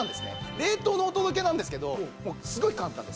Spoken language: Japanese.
冷凍のお届けなんですけどすごい簡単です。